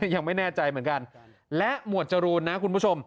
ยังไม่แน่ใจเหมือนกันและหมวดจรูนนะคุณผู้ชม